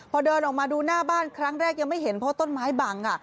พอเดินออกมาดูหน้าบ้านครั้งแรกยังไม่เห็นเพราะต้นไม้บัง